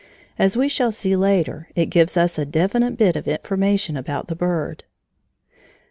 As we shall see later, it gives us a definite bit of information about the bird.